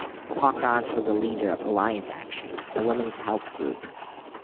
Pokrant was the leader of Alliance Action, a women's health group.